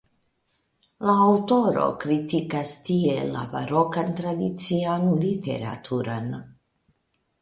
La aŭtoro kritikas tie la barokan tradicion literaturan.